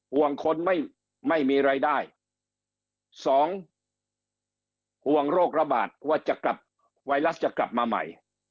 ห่วงคนไม่ไม่มีรายได้สองห่วงโรคระบาดว่าจะกลับไวรัสจะกลับมาใหม่